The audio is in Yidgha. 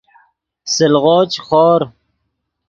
سلغو چے خور